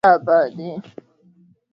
Kazi aliyofanya ni mbovu sana hairusiwi